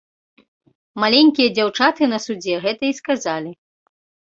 Маленькія дзяўчаты на судзе гэта і сказалі.